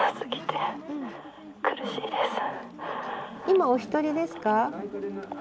今お一人ですか？